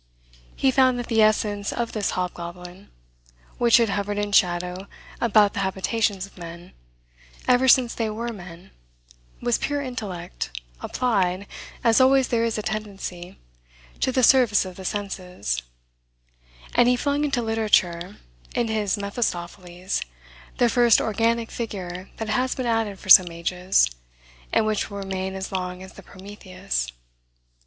He found that the essence of this hobgoblin, which had hovered in shadow about the habitations of men, ever since they were men, was pure intellect, applied, as always there is a tendency, to the service of the senses: and he flung into literature, in his Mephistopheles, the first organic figure that has been added for some ages, and which will remain as long as the Prometheus.